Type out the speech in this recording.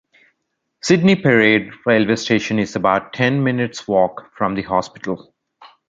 Sydney Parade railway station is about ten minutes walk from the hospital.